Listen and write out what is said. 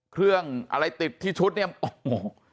เครื่องอะไรติดที่ชุดเนี่ยโอ้โห